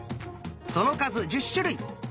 その数１０種類。